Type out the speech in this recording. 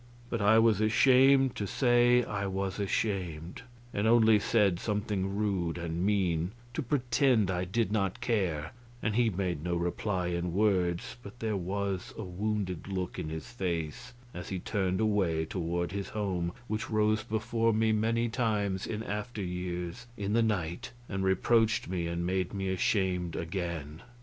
But I was ashamed to say I was ashamed, and only said something rude and mean, to pretend I did not care, and he made no reply in words, but there was a wounded look in his face as he turned away toward his home which rose before me many times in after years, in the night, and reproached me and made me ashamed again.